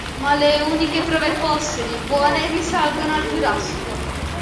Ma le uniche prove fossili buone risalgono al Giurassico.